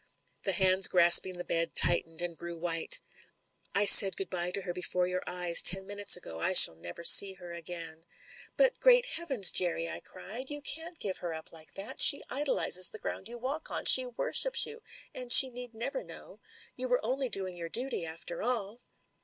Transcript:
The hands grasping the bed tightened, and grew white. "I said 'Good bye' to her before your eyes, ten minutes ago. I shall never see her again." "But, Great Heavens, Jerry!" I cried, "you can't give her up like that She idolises the ground you n8 MEN, WOMEN AND GUNS walk on, she worships you, and she need never know. You were only doing your duty after all."